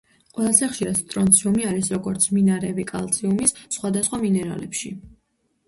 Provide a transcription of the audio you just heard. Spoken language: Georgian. ყველაზე ხშირად სტრონციუმი არის როგორც მინარევი კალციუმის სხვადასხვა მინერალებში.